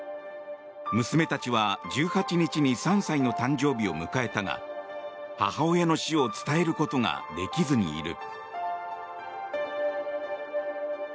娘たちは１８日に３歳の誕生日を迎えたが母親の死を伝えることができずにいる。